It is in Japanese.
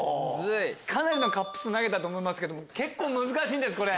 かなりの数投げたと思いますけど結構難しいんですこれ。